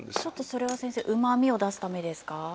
ちょっとそれは先生うまみを出すためですか？